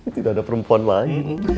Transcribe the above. tidak ada perempuan lagi